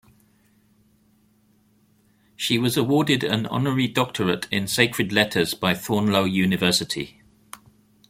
She was awarded an honorary doctorate in sacred letters by Thorneloe University.